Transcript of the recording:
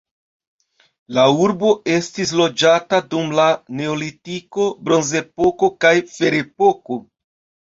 La urbo estis loĝata dum la neolitiko, bronzepoko kaj ferepoko.